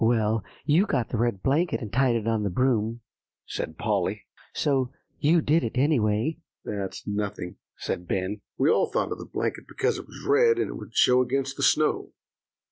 "Well, you got the red blanket, and tied it on the broom," said Polly; "so you did it, anyway." "That's nothing," said Ben; "we all thought of the blanket because it was red, and would show against the snow.